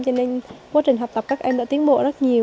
cho nên quá trình học tập các em đã tiến bộ rất nhiều